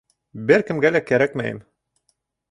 — Бер кемгә лә кәрәкмәйем!..